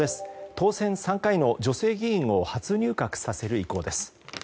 当選３回の女性議員を初入閣させる意向です。